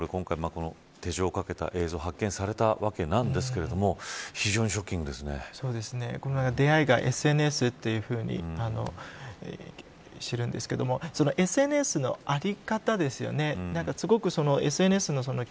今回手錠をかけた映像が発見されたわけですがこれは出会いがＳＮＳというふうにいわれているんですけれどもＳＮＳの在り方ですよね。